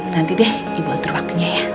nanti deh ibu atur waktunya ya